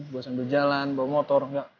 bosan berjalan bawa motor enggak